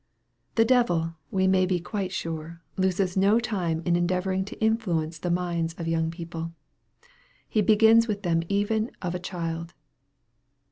The devil, we may be quite sure, loses no time in endeavoring to influence the minds of young people. He begins with them even " of a child."